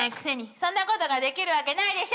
そんなことができるわけないでしょ！